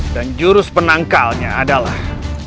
dan jurus penangkalnya adalah